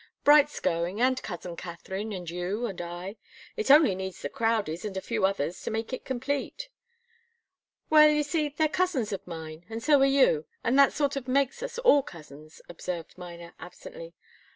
"Bright's going, and cousin Katharine, and you and I. It only needs the Crowdies and a few others to make it complete." "Well you see, they're cousins of mine, and so are you, and that sort of makes us all cousins," observed Miner, absently.